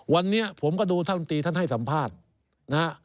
วันนี้ผมก็ดูท่านตรีท่านให้สัมภาษณ์นะฮะ